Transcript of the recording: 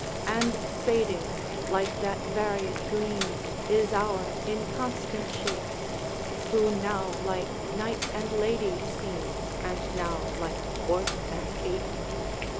'And fading, like that varied gleam, Is our inconstant shape, Who now like knight and lady seem, And now like dwarf and ape.